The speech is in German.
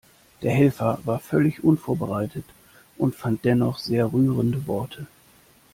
Der Helfer war völlig unvorbereitet und fand dennoch sehr rührende Worte.